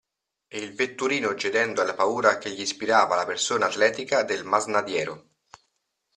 E il vetturino cedendo alla paura che gli ispirava la persona atletica del masnadiero.